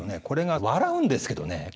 これが笑うんですけどね